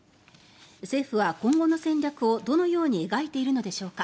政府は今後の戦略をどのように描いているのでしょうか。